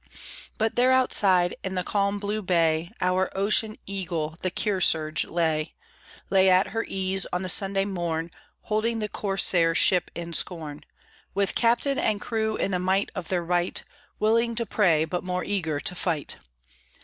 But there outside, in the calm blue bay, Our ocean eagle, the Kearsarge, lay; Lay at her ease on the Sunday morn, Holding the Corsair ship in scorn; With captain and crew in the might of their right, Willing to pray, but more eager to fight.